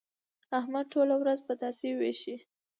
احمد ټوله ورځ پتاسې وېشي.